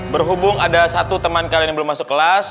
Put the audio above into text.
berhubung ada satu teman kalian yang belum masuk kelas